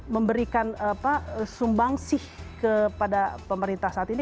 memberikan sumbang sih kepada pemerintah saat ini